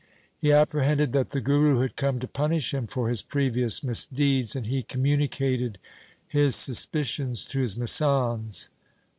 He apprehended that the Guru had come to punish him for his previous misdeeds, and he communicated his suspicions to his masands.